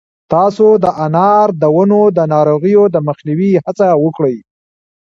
تاسو د انار د ونو د ناروغیو د مخنیوي هڅه وکړئ.